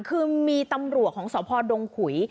คือมีตำรวจของสพดงขุย